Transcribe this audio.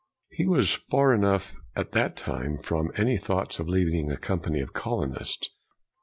He was far enough, at that time, from any thoughts of leading a company of colonists.